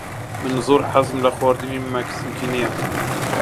من زۆر حەزم لە خواردنی مەکسیکی نییە.